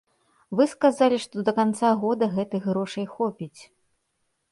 Вы сказалі, што да канца года гэтых грошай хопіць.